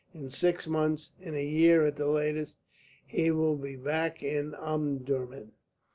In six months, in a year at the latest, he will be back in Omdurman."